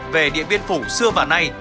về điện biên phủ xưa và nay